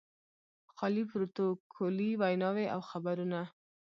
خالي پروتوکولي ویناوې او خبرونه.